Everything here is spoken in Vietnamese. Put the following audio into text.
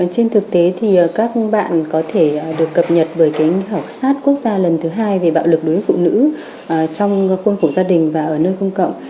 trên thực tế thì các bạn có thể được cập nhật bởi kênh học sát quốc gia lần thứ hai về bạo lực đối với phụ nữ trong quân phủ gia đình và ở nơi công cộng